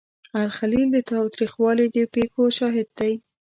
الخلیل د تاوتریخوالي د پیښو شاهد دی.